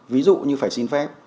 ví dụ như phải xin phép